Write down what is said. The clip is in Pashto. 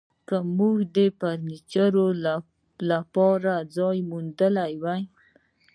که موږ د فرنیچر لپاره ځای موندلی وای